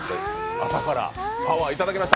朝からパワーいただきました。